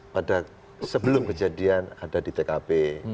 pada sebelum kejadian ada di tkp